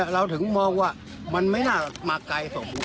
เราถึงมองว่ามันไม่น่ามาไกลสม